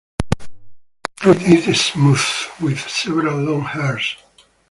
The fruit is smooth with several long hairs.